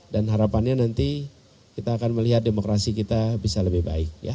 harapannya nanti kita akan melihat demokrasi kita bisa lebih baik